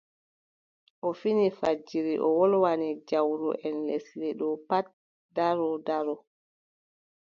O fini fajiri, o wolwani jawroʼen lesle ɗo kam pat ndaro ndaro.